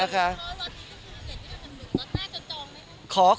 มีใครจะจองด่าน